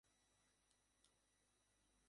এই সমীকরণটি বৈদ্যুতিক জেনারেটর তৈরীর মূলনীতি।